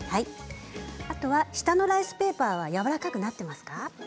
あとは下のライスペーパーはやわらかくなっていますか。